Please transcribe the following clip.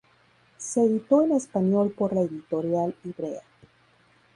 Se editó en español por la editorial Ivrea.